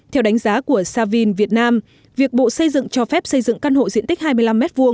theo đánh giá của savin việt nam việc bộ xây dựng cho phép xây dựng căn hộ diện tích hai mươi năm m hai